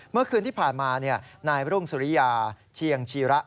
เมื่อคืนที่ผ่านมานายรุ่งสุริยาเชียงชีระ